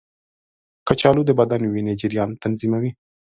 کچالو د بدن وینې جریان تنظیموي.